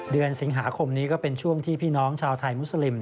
เดือนสิงหาคมนี้ก็เป็นช่วงที่พี่น้องชาวไทยมุสลิม